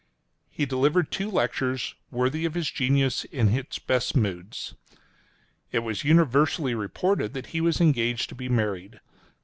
— He delivered two lectures — worthy of his genius in its best moods. It was universally reported that he was engaged to be married.